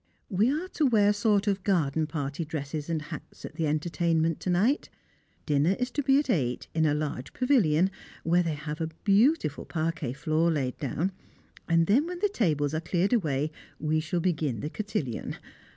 We are to wear sort of garden party dresses and hats at the entertainment to night. Dinner is to be at eight, in a large pavilion, where they have had a beautiful parquet floor laid down, and then when the tables are cleared away, we shall begin the cotillon.